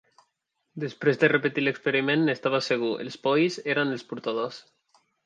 Després de repetir l'experiment, n'estava segur: els polls eren els portadors.